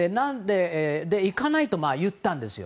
行かないと言ったんですよ。